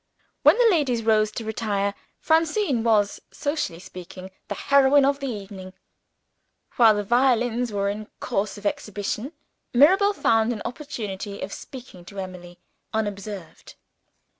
When the ladies rose to retire, Francine was, socially speaking, the heroine of the evening. While the violins were in course of exhibition, Mirabel found an opportunity of speaking to Emily, unobserved.